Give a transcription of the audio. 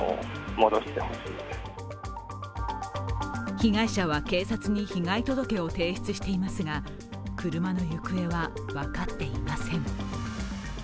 被害者は警察に被害届を提出していますが車の行方は分かっていません。